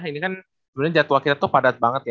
ini kan sebenarnya jadwal kita tuh padat banget ya